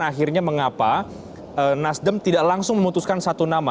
akhirnya mengapa nasdem tidak langsung memutuskan satu nama